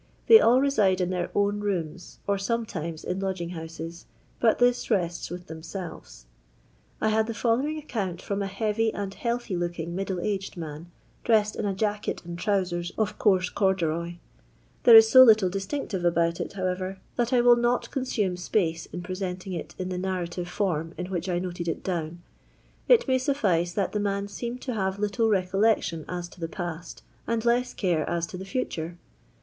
They all reside in their own rooms, or sometimes in lodg ing houses, but this rests with themselves. I had the following account from a heavy and healthy4ooking middle aged man, dressed in a jacket and trousen of coarse corduroy. There is io little distinctive about it, however, that I will LONDON LABOUR AND THE LONDON POOR. S51 not consume ipace in preienting it in the narratiTe form in which I noted it down. It may suffice that the man seemed to have little recollection as to the pasty and less care as to the fatore.